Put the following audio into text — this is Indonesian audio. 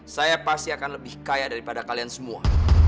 saya pasti akan lebih kaya daripada kalian semua